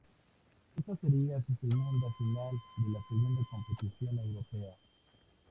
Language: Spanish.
Ésta sería su segunda final de la segunda competición europea.